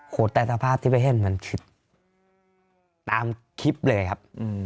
แต่สภาพที่ไปเห็นมันคิดตามคลิปเลยครับ